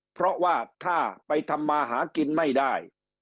เพราะว่าถ้าไปทำมาหากินไม่ได้